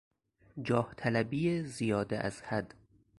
جاهطلبی زیاده از حد